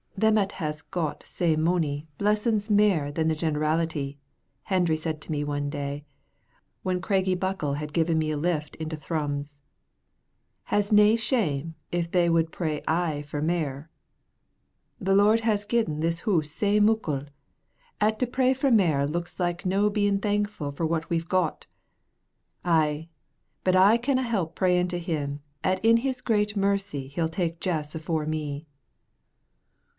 "Them 'at has got sae mony blessin's mair than the generality," Hendry said to me one day, when Craigiebuckle had given me a lift into Thrums, "has nae shame if they would pray aye for mair. The Lord has gi'en this hoose sae muckle, 'at to pray for mair looks like no bein' thankfu' for what we've got. Ay, but I canna help prayin' to Him 'at in His great mercy he'll tak Jess afore me.